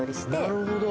なるほど。